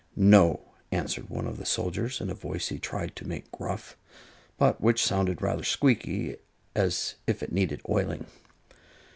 "No!" answered one of the soldiers, in a voice he tried to make gruff, but which sounded rather squeaky, as if it needed oiling.